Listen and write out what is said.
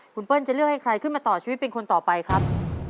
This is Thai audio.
คุณเปิ้ลจะเลือกให้ใครขึ้นมาต่อชีวิตเป็นคนต่อไปครับ